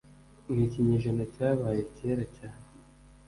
Ni ikinjyejana cyabaye kera cyane